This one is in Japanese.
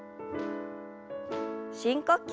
深呼吸。